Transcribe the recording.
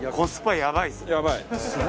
やばい。